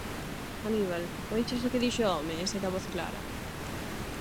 -Haníbal, oíches o que dixo o home, ese da voz clara?